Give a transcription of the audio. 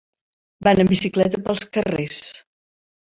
Van en bicicleta pels carrers.